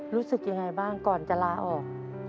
รู้สึกยังไงบ้างก่อนจะลาออก